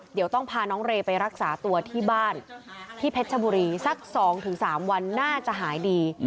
เดี๋ยวต้องพาน้องเรย์ไปรักษาตัวที่บ้านที่เพชรชบุรีสัก๒๓วันน่าจะหายดี